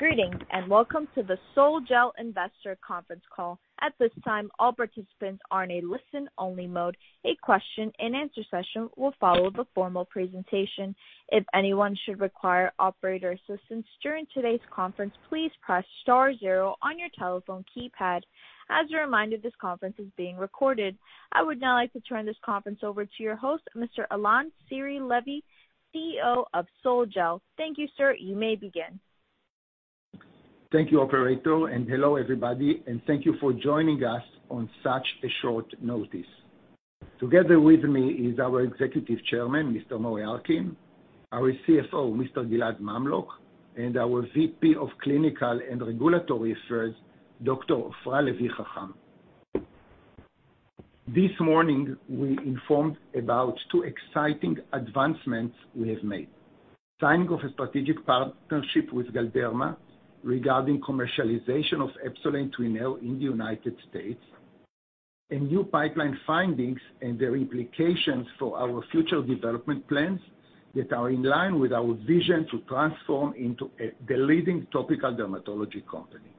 Greetings, and welcome to the Sol-Gel investor conference call at this time, all participants are in listen-only mode. A question and answer session will follow the formal presentation. If anyone should require operator assistance during today's conference, please press star zero on your telephone keypad. As a reminder, this conference is being recorded. I would now like to turn this conference over to your host, Mr. Alon Seri-Levy, CEO of Sol-Gel. Thank you, sir. You may begin. Thank you, operator, and hello everybody, and thank you for joining us on such a short notice. Together with me is our Executive Chairman, Mr. Mori Arkin, our CSO, Mr. Mamlok, and our VP of Clinical and Regulatory Affairs, Dr. Ofra Levy-Hacham. This morning, we informed about two exciting advancements we have made. Signing of a strategic partnership with Galderma regarding commercialization of EPSOLAY and TWYNEO in the U.S., and new pipeline findings and their implications for our future development plans that are in line with our vision to transform into the leading topical dermatology company.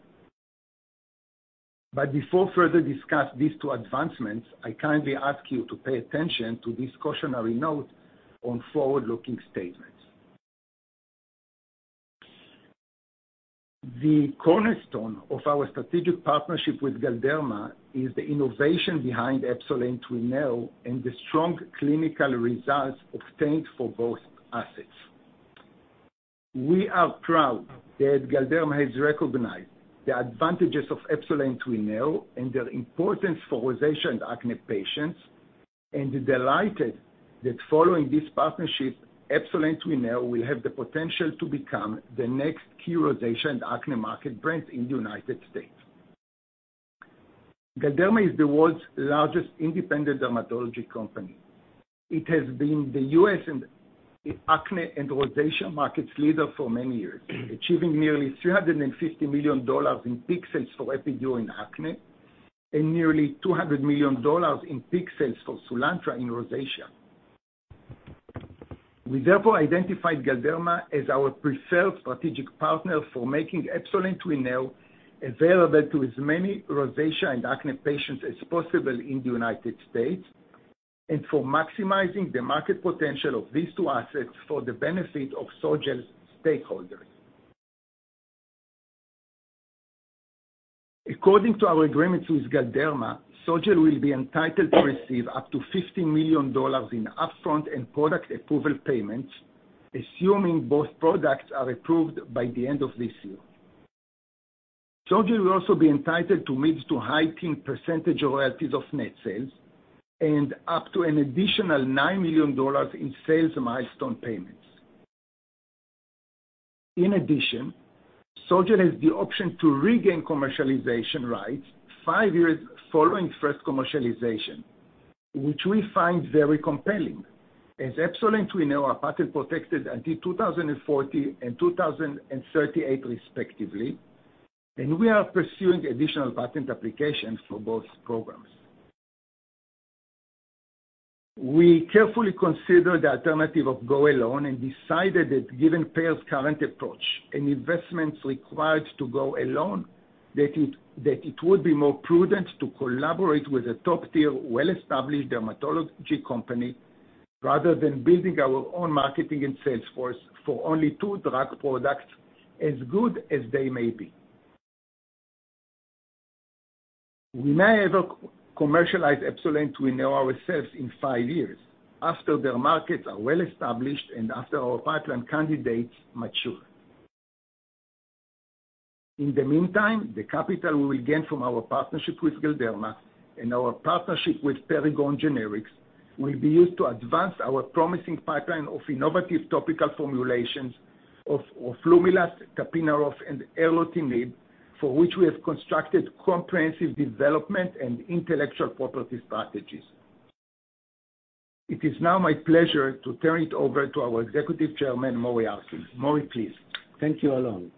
Before further discuss these two advancements, I kindly ask you to pay attention to this cautionary note on forward-looking statements. The cornerstone of our strategic partnership with Galderma is the innovation behind EPSOLAY and TWYNEO and the strong clinical results obtained for both assets. We are proud that Galderma has recognized the advantages of EPSOLAY and TWYNEO and their importance for rosacea and acne patients, and delighted that following this partnership, EPSOLAY and TWYNEO will have the potential to become the next key rosacea and acne market brand in the U.S. Galderma is the world's largest independent dermatology company. It has been the U.S. acne and rosacea market's leader for many years, achieving nearly $350 million in peak sales for Epiduo in acne and nearly $200 million in peak sales for Soolantra in rosacea. We therefore identified Galderma as our preferred strategic partner for making EPSOLAY and TWYNEO available to as many rosacea and acne patients as possible in the U.S., and for maximizing the market potential of these two assets for the benefit of Sol-Gel stakeholders. According to our agreement with Galderma, Sol-Gel will be entitled to receive up to $50 million in upfront and product approval payments, assuming both products are approved by the end of this year. Sol-Gel will also be entitled to mid-to-high teen percentage royalties of net sales and up to an additional $9 million in sales milestone payments. In addition, Sol-Gel has the option to regain commercialization rights five years following first commercialization, which we find very compelling, as EPSOLAY and TWYNEO are patent protected until 2040 and 2038 respectively, and we are pursuing additional patent applications for both programs. We carefully considered the alternative of go-alone and decided that given payers' current approach and investments required to go alone, that it would be more prudent to collaborate with a top-tier, well-established dermatology company rather than building our own marketing and sales force for only two drug products, as good as they may be. We may ever commercialize EPSOLAY and TWYNEO ourselves in five years, after their markets are well-established and after our pipeline candidates mature. In the meantime, the capital we gain from our partnership with Galderma and our partnership with Perrigo generics will be used to advance our promising pipeline of innovative topical formulations of roflumilast, tapinarof, and erlotinib, for which we have constructed comprehensive development and intellectual property strategies. It is now my pleasure to turn it over to our Executive Chairman, Mori Arkin. Mori, please. Thank you, Alon.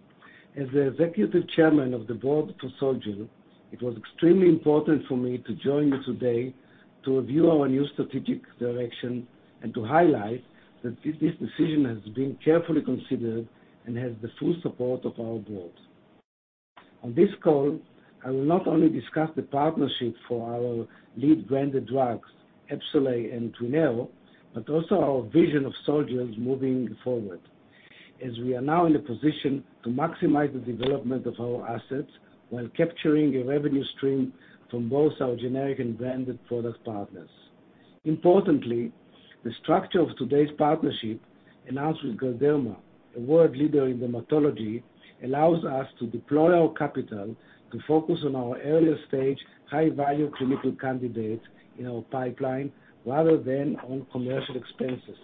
As the Executive Chairman of the board of Sol-Gel, it was extremely important for me to join you today to review our new strategic direction and to highlight that this decision has been carefully considered and has the full support of our board. On this call, I will not only discuss the partnership for our lead branded drugs, EPSOLAY and TWYNEO, but also our vision of Sol-Gel moving forward, as we are now in a position to maximize the development of our assets while capturing a revenue stream from both our generic and branded product partners. Importantly, the structure of today's partnership announced with Galderma, a world leader in dermatology, allows us to deploy our capital to focus on our earlier-stage, high-value clinical candidates in our pipeline rather than on commercial expenses.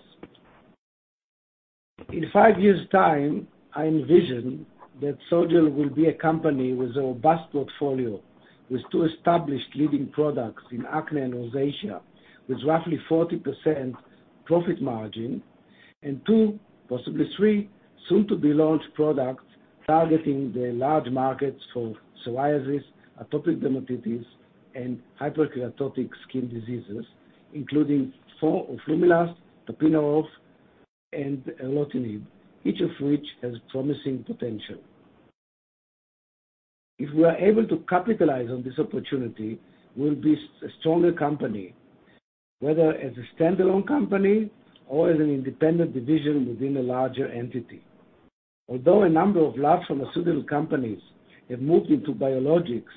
In five years' time, I envision that Sol-Gel will be a company with a robust portfolio, with two established leading products in acne and rosacea, with roughly 40% profit margin, and two, possibly three, soon-to-be-launched products targeting the large markets for psoriasis, atopic dermatitis, and hyperkeratotic skin diseases including four of roflumilast, tapinarof, and erlotinib, each of which has promising potential. If we are able to capitalize on this opportunity, we'll be a stronger company, whether as a standalone company or as an independent division within a larger entity. Although a number of large pharmaceutical companies have moved into biologics,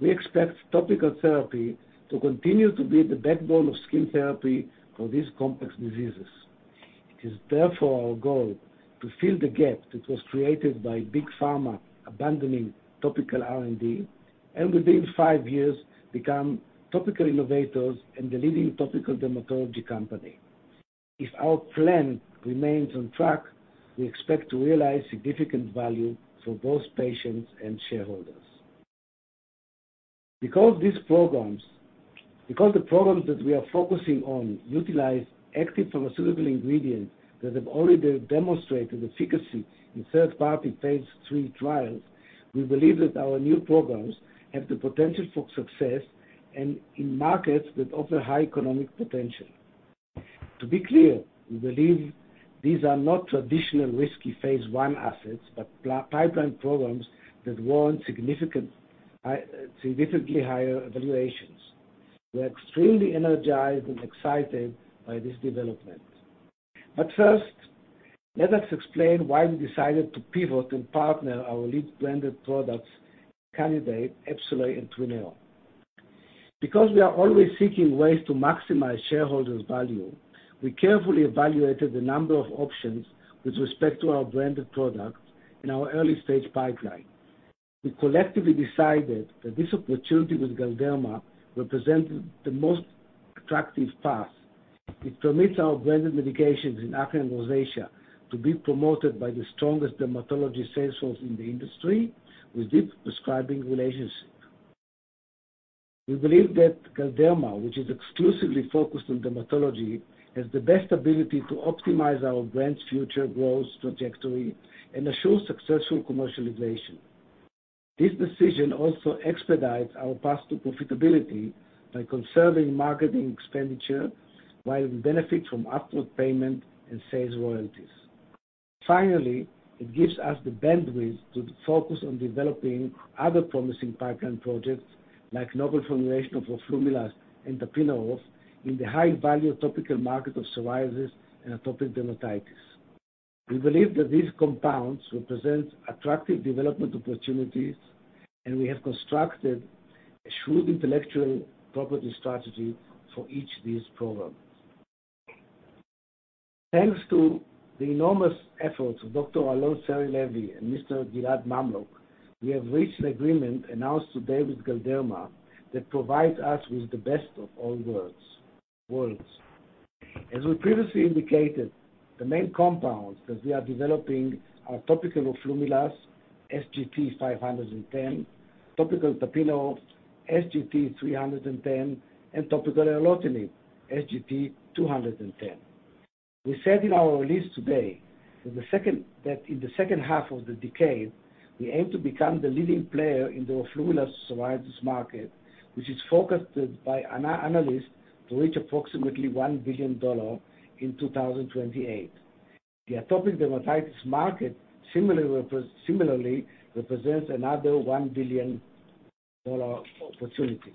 we expect topical therapy to continue to be the backbone of skin therapy for these complex diseases. It is therefore our goal to fill the gap that was created by Big Pharma abandoning topical R&D, and within five years, become topical innovators and the leading topical dermatology company. If our plan remains on track, we expect to realize significant value for both patients and shareholders. The programs that we are focusing on utilize active pharmaceutical ingredients that have already demonstrated efficacy in third-party Phase III trials, we believe that our new programs have the potential for success and in markets that offer high economic potential. To be clear, we believe these are not traditional risky Phase I assets, but pipeline programs that warrant significantly higher valuations. We're extremely energized and excited by this development. First, let us explain why we decided to pivot and partner our lead branded product candidate, EPSOLAY and TWYNEO. We are always seeking ways to maximize shareholder value, we carefully evaluated a number of options with respect to our branded products in our early-stage pipeline. We collectively decided that this opportunity with Galderma represented the most attractive path. It permits our branded indications in acne and rosacea to be promoted by the strongest dermatology sales force in the industry with deep prescribing relationships. We believe that Galderma, which is exclusively focused on dermatology, has the best ability to optimize our brands' future growth trajectory and ensure successful commercialization. This decision also expedites our path to profitability by conserving marketing expenditure while we benefit from up-front payment and sales royalties. Finally, it gives us the bandwidth to focus on developing other promising pipeline projects like novel formulations of roflumilast and tapinarof in the high-value topical market of psoriasis and atopic dermatitis. We believe that these compounds represent attractive development opportunities, and we have constructed a shrewd intellectual property strategy for each of these programs. Thanks to the enormous efforts of Dr. Alon Seri-Levy and Mr. Gilad Mamlok, we have reached an agreement announced today with Galderma that provides us with the best of all worlds. As we previously indicated, the main compounds that we are developing are topical roflumilast, SGT-510, topical tapinarof, SGT-310, and topical erlotinib, SGT-210. We said in our release today that in the second half of the decade, we aim to become the leading player in the roflumilast psoriasis market, which is forecasted by analysts to reach approximately $1 billion in 2028. The atopic dermatitis market similarly represents another $1 billion opportunity.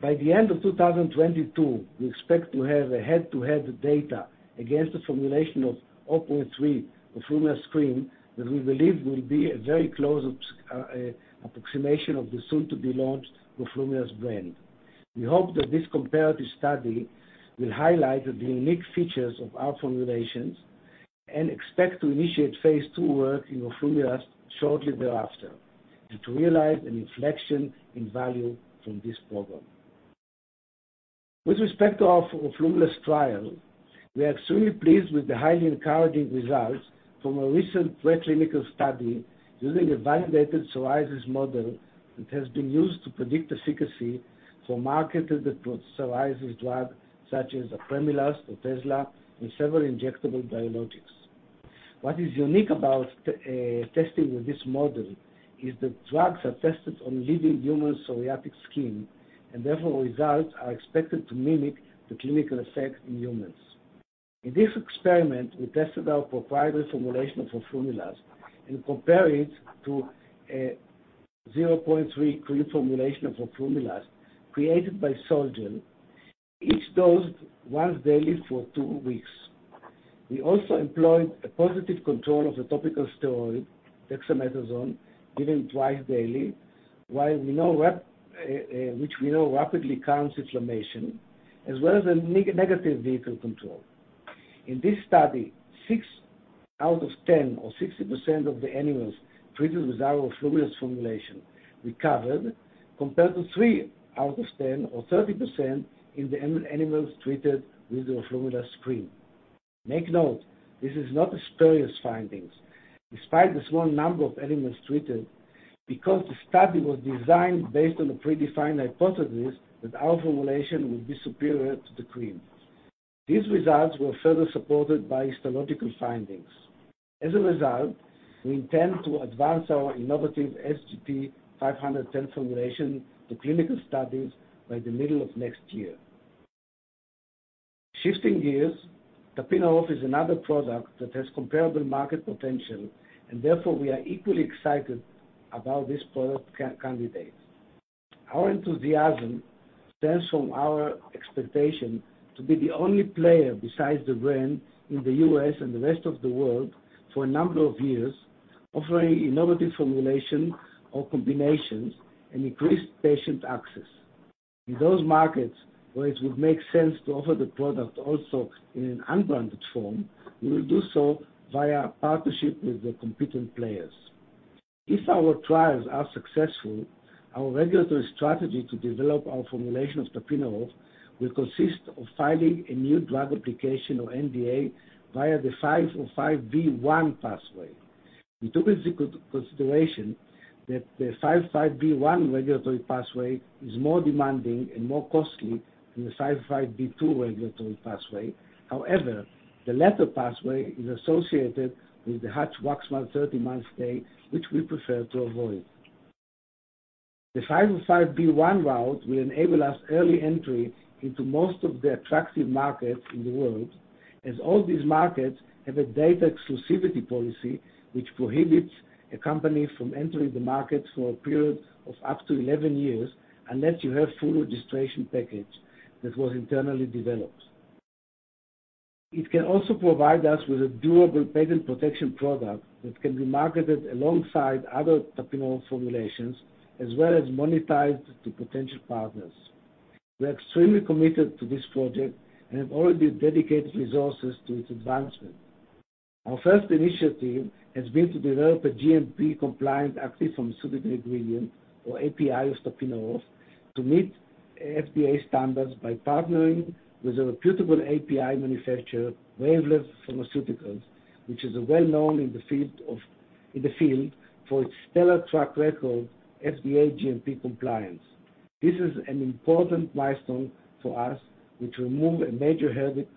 By the end of 2022, we expect to have head-to-head data against a formulation of 0.3 roflumilast cream that we believe will be a very close approximation of the soon-to-be-launched roflumilast brand. We hope that this comparative study will highlight the unique features of our formulations and expect to initiate Phase II work in roflumilast shortly thereafter and to realize an inflection in value from this program. With respect to our roflumilast trial, we are extremely pleased with the highly encouraging results from a recent preclinical study using a validated psoriasis model that has been used to predict efficacy for marketed psoriasis drugs such as apremilast, Otezla, and several injectable biologics. What is unique about testing with this model is that drugs are tested on living human psoriatic skin, and therefore results are expected to mimic the clinical effect in humans. In this experiment, we tested our proprietary formulation of roflumilast and compared it to a 0.3 cream formulation of roflumilast created by Sol-Gel, each dosed once daily for two weeks. We also employed a positive control of the topical steroid, dexamethasone, given twice daily, which we know rapidly calms inflammation, as well as a negative vehicle control. In this study, six out of 10, or 60%, of the animals treated with our roflumilast formulation recovered, compared to three out of 10, or 30%, in the animals treated with roflumilast cream. Make note, this is not a spurious finding despite the small number of animals treated because the study was designed based on a pre-defined hypothesis that our formulation would be superior to the cream. These results were further supported by histological findings. As a result, we intend to advance our innovative SGT-510 formulation to clinical studies by the middle of next year. Shifting gears, tapinarof is another product that has comparable market potential, and therefore we are equally excited about this product candidate. Our enthusiasm stems from our expectation to be the only player besides the brand in the U.S. and the rest of the world for a number of years, offering innovative formulations or combinations, and increased patient access. In those markets where it would make sense to offer the product also in an unbranded form, we will do so via partnership with the competent players. If our trials are successful, our regulatory strategy to develop our formulation of tapinarof will consist of filing a new drug application, or NDA, via the 505(b)(1) pathway. We took into consideration that the 505(b)(1) regulatory pathway is more demanding and more costly than the 505(b)(2) regulatory pathway however, the latter pathway is associated with the Hatch-Waxman 30-month stay, which we prefer to avoid. The 505(b)(1) route will enable us early entry into most of the attractive markets in the world, as all these markets have a data exclusivity policy, which prohibits a company from entering the market for a period of up to 11 years unless you have full registration package that was internally developed. It can also provide us with a durable patent protection product that can be marketed alongside other tapinarof formulations as well as monetized to potential partners. We are extremely committed to this project and have already dedicated resources to its advancement. Our first initiative has been to develop a GMP-compliant active pharmaceutical ingredient, or API, of tapinarof to meet FDA standards by partnering with a reputable API manufacturer, Wavelength Pharmaceuticals, which is well-known in the field for its stellar track record FDA GMP compliance. This is an important milestone for us, which remove a major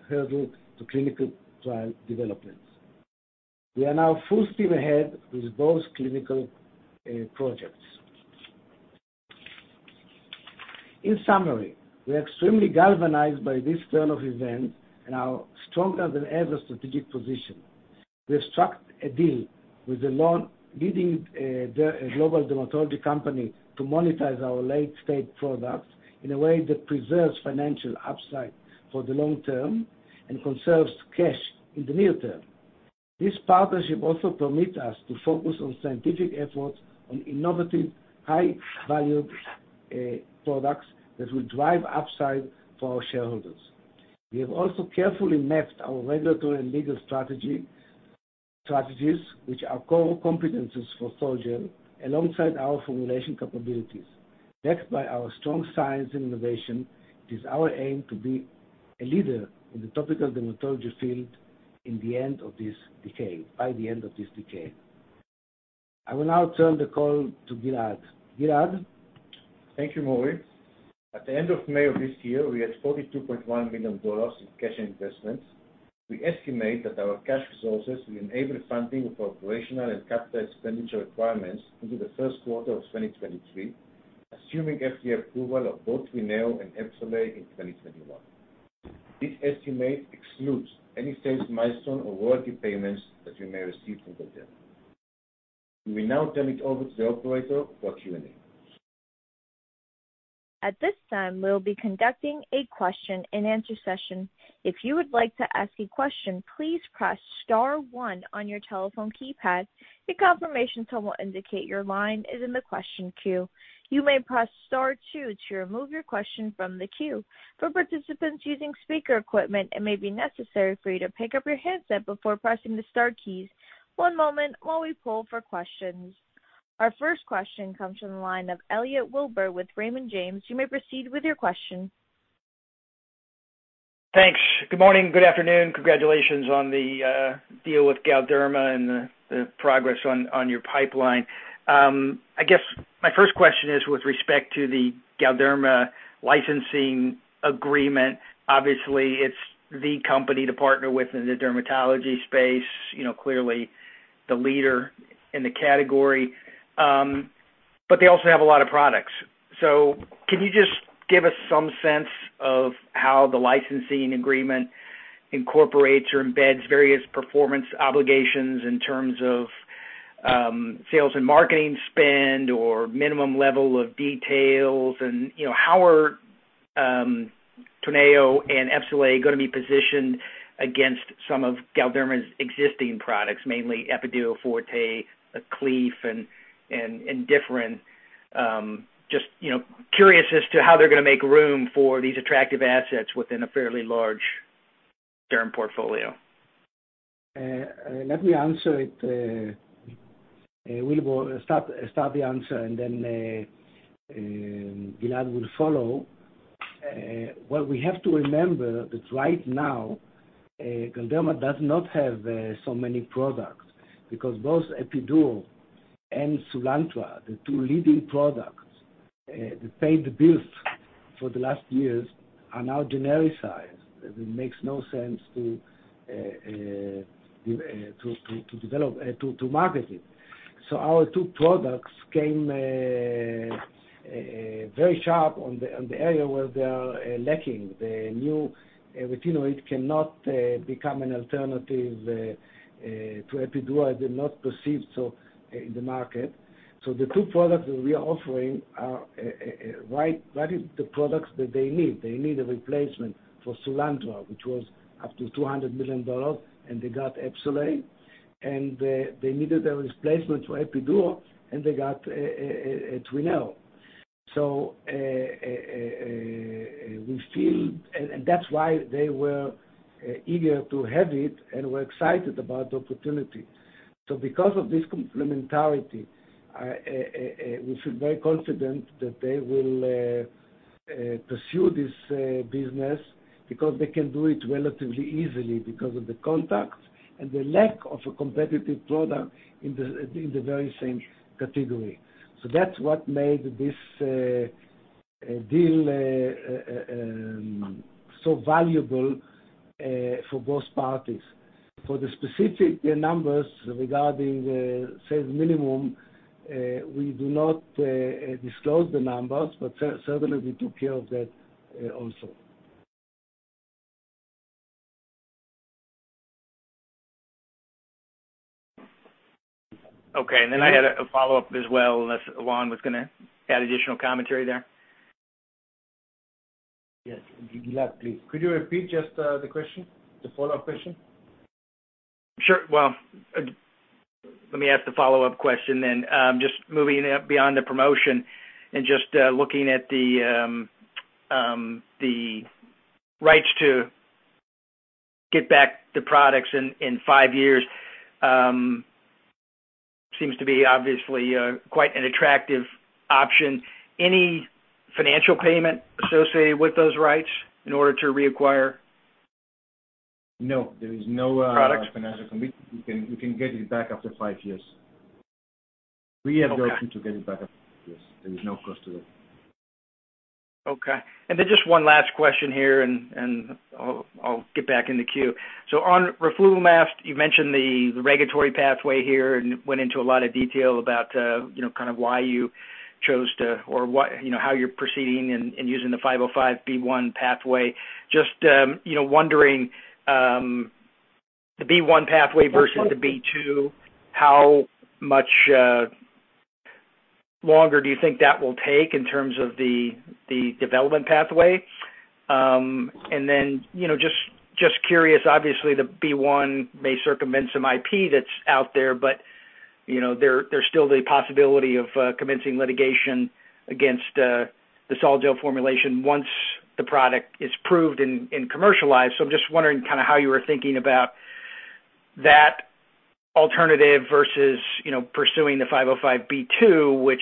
hurdle to clinical trial development. We are now full steam ahead with both clinical projects. In summary, we're extremely galvanized by this turn of event and our stronger-than-ever strategic position. We have struck a deal with a leading global dermatology company to monetize our late-stage products in a way that preserves financial upside for the long term and conserves cash in the near term. This partnership also permits us to focus on scientific efforts on innovative, high-value products that will drive upside for our shareholders. We have also carefully mapped our regulatory and legal strategies, which are core competencies for Sol-Gel, alongside our formulation capabilities. Backed by our strong science innovation, it is our aim to be a leader in the topical dermatology field by the end of this decade. I will now turn the call to Gilad. Gilad? Thank you, Mori. At the end of May of this year, we had $42.1 million in cash investments. We estimate that our cash resources will enable funding of operational and capital expenditure requirements into the first quarter of 2023, assuming FDA approval of both TWYNEO and EPSOLAY in 2021. This estimate excludes any sales milestone or royalty payments that we may receive from Galderma. We now turn it over to the operator for Q&A. At this time, we'll be conducting a question-and-answer session. If you would like to ask a question, please press star one on your telephone keypad. A confirmation tone will indicate your line is in the question queue. You may press star two to remove your question from the queue. For participants using speaker equipment, it may be necessary for you to pick up your handset before pressing the star keys. One moment while we poll for questions. Our first question comes from the line of Elliot Wilbur with Raymond James you may proceed with your question. Thanks. Good morning, good afternoon congratulations on the deal with Galderma and the progress on your pipeline. I guess my first question is with respect to the Galderma licensing agreement obviously, it's the company to partner with in the dermatology space, clearly the leader in the category. They also have a lot of products. Can you just give us some sense of how the licensing agreement incorporates? or embeds various performance obligations in terms of sales and marketing spend or minimum level of details? How are TWYNEO and EPSOLAY going to be positioned against some of Galderma's existing products, mainly Epiduo Forte, Aklief, and Differin? Just curious as to how they're going to make room for these attractive assets within a fairly large derm portfolio. Let me answer it. We will start the answer, and then Gilad will follow. What we have to remember is right now, Galderma does not have so many products because both Epiduo and Soolantra, the two leading products that paid the bills for the last years are now genericized. It makes no sense to market it. Our two products came very sharp on the area where they are lacking. The new retinoid cannot become an alternative to Epiduo they're not perceived so in the market. The two products that we are offering are right, the products that they need they need a replacement for Soolantra, which was up to $200 million, and they got EPSOLAY, and they needed a replacement for Epiduo, and they got TWYNEO. That's why they were eager to have it and were excited about the opportunity. Because of this complementarity, we feel very confident that they will pursue this business because they can do it relatively easily because of the contacts and the lack of a competitive product in the very same category. That's what made this deal so valuable for both parties. For the specific numbers regarding sales minimum, we do not disclose the numbers, but certainly we took care of that also. Okay. I had a follow-up as well, unless Alon [unintelligible] got additional commentary there? Yes, indeed lovely. Could you repeat just the question, the follow-up question? Sure well, let me ask the follow-up question then. Just moving beyond the promotion and just looking at the rights to get back the products in five years, seems to be obviously quite an attractive option any financial payment associated with those rights in order to reacquire? No, there is no-. Products? -financial. We can get it back up to five years. Okay. We have the option to get it back up to five years. There is no cost to it. Okay. Just one last question here, and I'll get back in the queue. On roflumilast, you mentioned the regulatory pathway here and went into a lot of detail about how you're proceeding and using the 505(b)(1) pathway. Just wondering, the 505(b)(1) pathway versus the 505(b)(2), how much longer do you think that will take in terms of the development pathway? Just curious, obviously, the 505(b)(1) may circumvent some IP that's out there but, there's still the possibility of commencing litigation against the Sol-Gel formulation once the product is proved and commercialized im just wondering how you were thinking about that alternative versus pursuing the 505(b)(2) which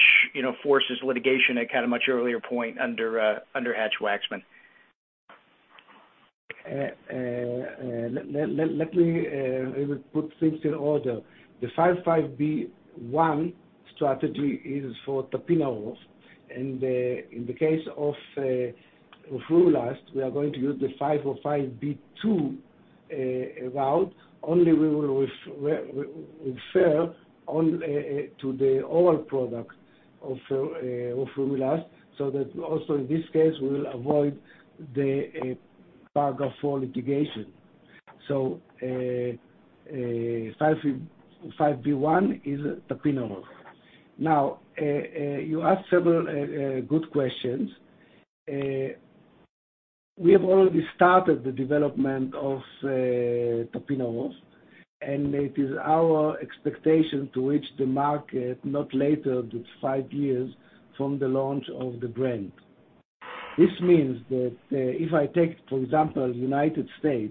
forces litigation at a much earlier point under Hatch-Waxman. Let me put things in order. The 505(b)(1) strategy is for tapinarof. In the case of roflumilast, we are going to use the 505(b)(2) route, only we will refer to the old product of roflumilast, so that also in this case, we'll avoid the part of our litigation. 505(b)(1) is tapinarof. Now you ask several good questions. We have already started the development of tapinarof, and it is our expectation to reach the market not later than five years from the launch of the brand. This means that if I take, for example, U.S.,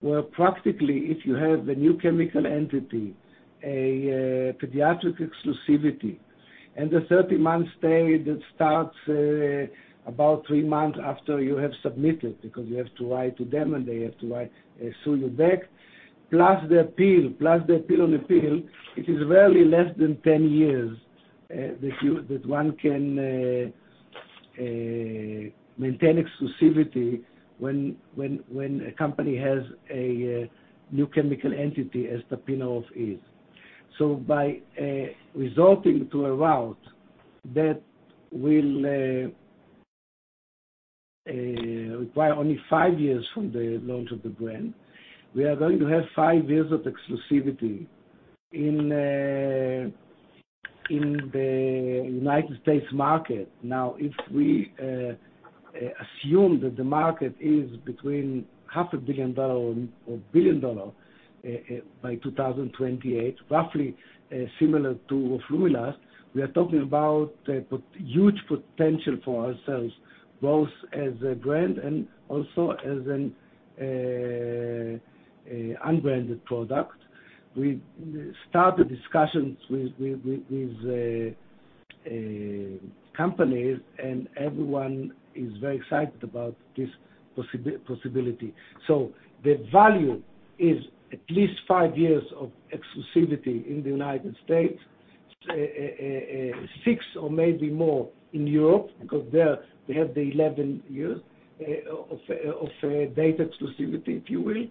where practically if you have a new chemical entity, a pediatric exclusivity, and a 30-month period that starts about three months after you have submitted, because you have to write to them, and they have to write, sue you back, plus the appeal on appeal, it is rarely less than 10 years that one can maintain exclusivity when a company has a new chemical entity as tapinarof is. By resorting to a route that will require only five years from the launch of the brand, we are going to have five years of exclusivity in the U.S. marke now, if we assume that the market is between $500 million or $1 billion by 2028, roughly similar to roflumilast, we are talking about huge potential for ourselves, both as a brand and also as an unbranded product. We started discussions with companies, and everyone is very excited about this possibility so the value is at least five years of exclusivity in the United States. Six or maybe more in Europe because there they have the 11 years of data exclusivity, if you will.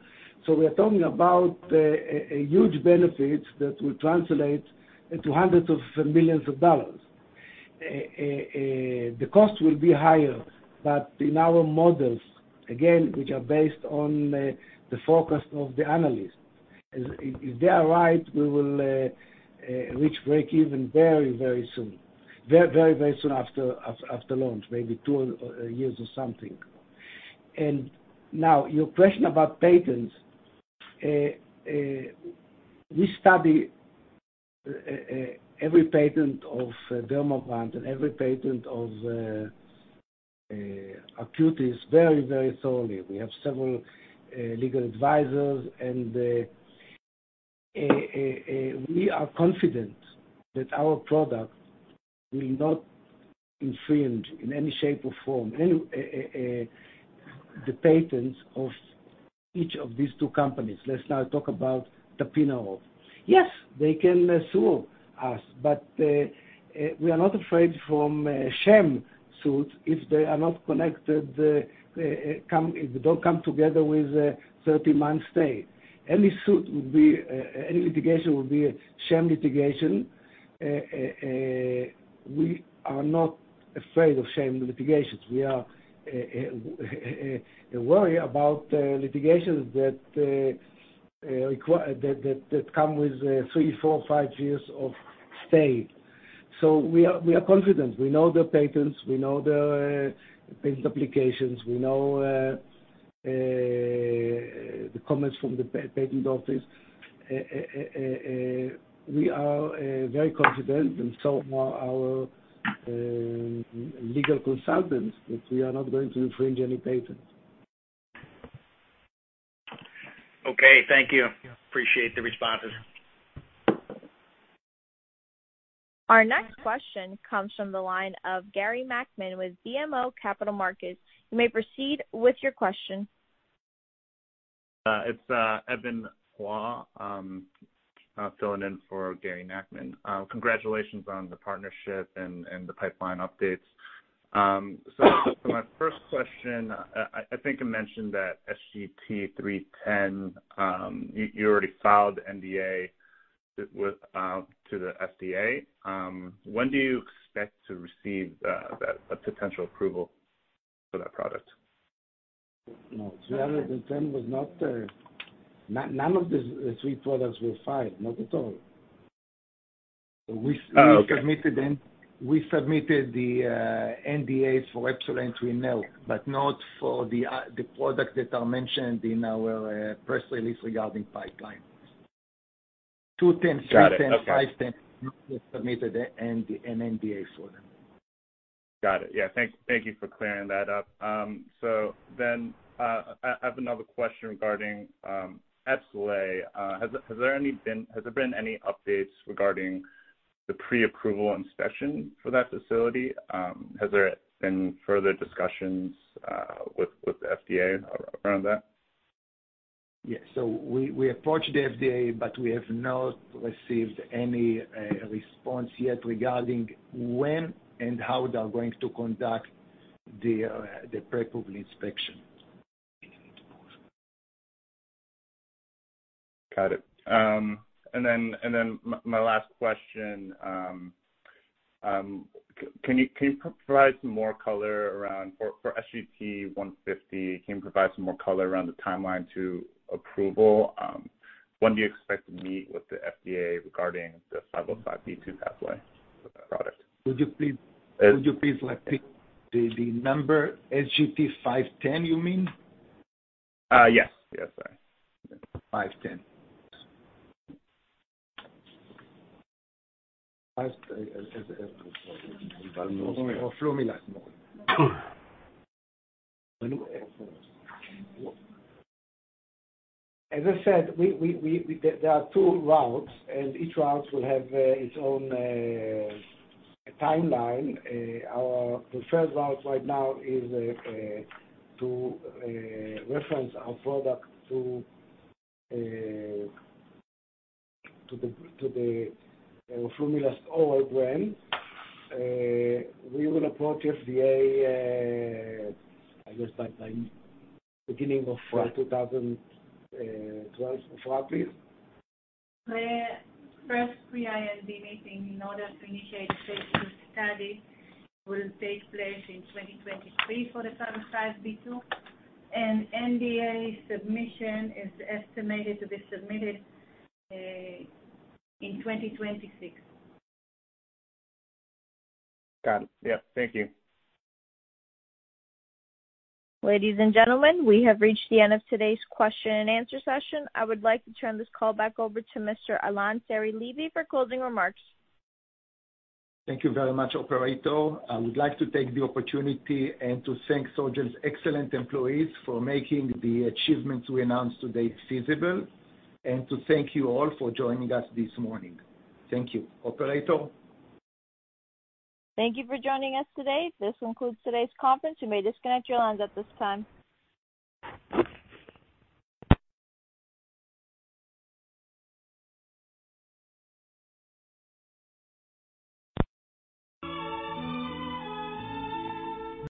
We're talking about a huge benefit that will translate into $100 of $1 million. The cost will be higher, but in our models, again, which are based on the forecast of the analyst, and if they are right, we will reach break even very soon after launch, maybe two years or something. Now your question about patents. We study every patent of Dermavant and every patent of Arcutis very thoroughly we have several legal advisors, and we are confident that our product will not infringe in any shape or form, the patents of each of these two companies let's not talk about tapinarof. Yes, they can sue us, but we are not afraid from a sham suit if they don't come together with a 30-month stay. Any litigation will be a sham litigation. We are not afraid of sham litigations we are worried about litigations that come with three, four, five years of stay. We are confident we know the patents, we know the patent applications, we know the comments from the patent office. We are very confident, and so are our legal consultants, that we are not going to infringe any patent. Okay. Thank you. Appreciate the responses. Our next question comes from the line of Gary Nachman with BMO Capital Markets. You may proceed with your question. It's Evan Hua, filling in for Gary Nachman, congratulations on the partnership and the pipeline updates. My first question, I think you mentioned that SGT-310, you already filed NDA to the FDA? when do you expect to receive a potential approval for that product? No, SGT-310 was not there. None of the three products were filed, not at all. Okay. We submitted the NDA for EPSOLAY now, not for the product that are mentioned in our press release for the Albumin pipeline. SGT-210, SGT-310, SGT-510. Got it. Not yet submitted an NDA for them. Got it. Yeah. Thank you for clearing that up. I have another question regarding EPSOLAY. Has there been any updates regarding the pre-approval inspection for that facility? Has there been further discussions with the FDA around that? We approached the FDA, but we have not received any response yet regarding when and how they are going to conduct the pre-approval inspection. Got it. My last question, for SGT-150, can you provide some more color around the timeline to approval? When do you expect to meet with the FDA regarding the 505(b)(2) pathway for that product? Would you please repeat the number? SGT-510, you mean? Yes. Sorry. SGT-510. As I said, there are two routes and each route will have its own timeline. Our preferred route right now is to reference our product to the Formulas Oil brand. We will approach FDA, I guess, sometime beginning of Q4 2024. The first Pre-IND meeting in order to initiate safety study will take place in 2023 for the 505(b)(2). NDA submission is estimated to be submitted in 2026. Got it. Yep. Thank you. Ladies and gentlemen, we have reached the end of today's question and answer session. I would like to turn this call back over to Mr. Alon Seri-Levy for closing remarks. Thank you very much, operator. I would like to take the opportunity and to thank Sol-Gel's excellent employees for making the achievements we announced today feasible and to thank you all for joining us this morning. Thank you. Operator? Thank you for joining us today. This concludes today's conference. You may disconnect your lines at this time.